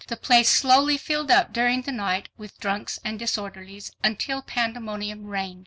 The place slowly filled up during the night with drunks and disorderlies until pandemonium reigned.